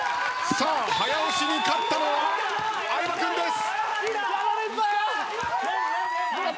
さあ早押しに勝ったのは相葉君です。